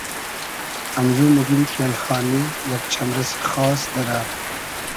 امزو موگیم کی ایلخانی یئگ چئمرئسی خاس دیرۂ